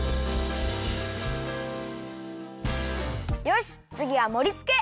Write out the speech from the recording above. よしつぎはもりつけ！